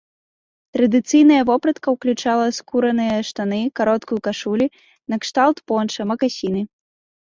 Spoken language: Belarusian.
Традыцыйная вопратка ўключала скураныя штаны, кароткую кашулі накшталт понча, макасіны.